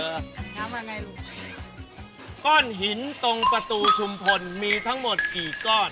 น้ำมาไงลุงก้อนหินตรงประตูชุมพลมีทั้งหมดกี่ก้อน